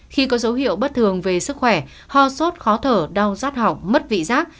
khi có dấu hiệu bất thường về sức khỏe ho sốt khó thở đau giác học mất vị giác